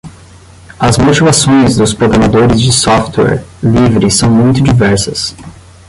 As motivações dos programadores de software livre são muito diversas.